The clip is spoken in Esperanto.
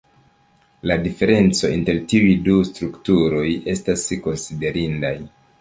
La diferencoj inter tiuj du strukturoj estas konsiderindaj.